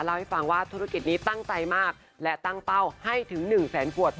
เล่าให้ฟังว่าธุรกิจนี้ตั้งใจมากและตั้งเป้าให้ถึง๑แสนขวด